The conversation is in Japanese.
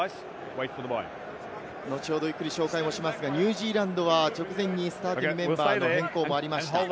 後ほどゆっくり紹介しますが、ニュージーランドは直前にスターティングメンバーの変更もありました。